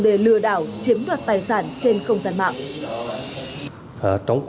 để lừa đảo chiếm đoạt tài sản trên không gian mạng